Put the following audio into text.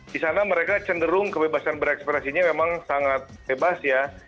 di sana mereka cenderung kebebasan berekspresinya memang sangat bebas ya